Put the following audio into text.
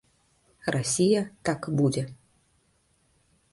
Расія, так і будзе.